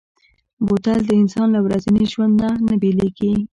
بوتل د انسان له ورځني ژوند څخه نه بېلېږي.